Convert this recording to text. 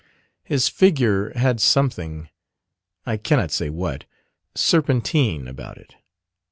His figure had something I cannot say what serpentine about it.